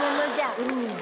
うん。